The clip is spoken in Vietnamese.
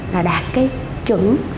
là đạt cái chuẩn